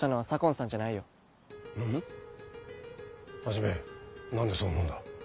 はじめ何でそう思うんだ？